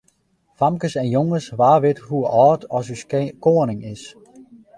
Famkes en jonges, wa wit hoe âld as ús koaning is?